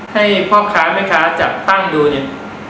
ให้พ่อค้าแม่ค้าจัดตั้งดูเนี่ย